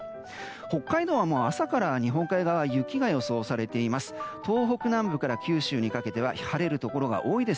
北海道はもう朝から日本海側では雪が予想されています。